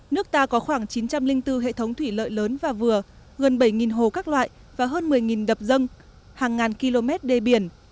nước ta có khoảng chín trăm linh bốn hệ thống thủy lợi lớn và vừa gần bảy hồ các loại và hơn một mươi đập dân hàng ngàn km đê biển